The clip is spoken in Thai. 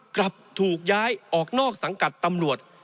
กลับถูกย้ายออกนอกสังกัดตำรวจ